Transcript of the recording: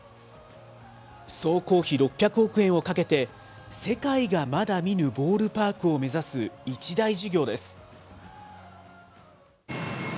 総工費６００億円をかけて、世界がまだ見ぬボールパークを目指す一大事業です。